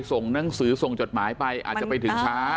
ส่งหนังสือส่งจดหมายไปอาจจะไปถึงช้า